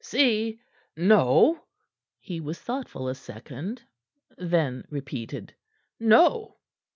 "See? No!" He was thoughtful a second; then repeated, "No!"